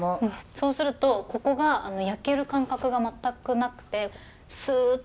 そうするとここが焼ける感覚が全くなくてスッと。